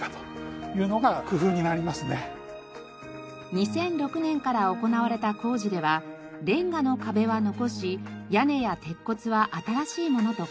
２００６年から行われた工事ではレンガの壁は残し屋根や鉄骨は新しいものと交換。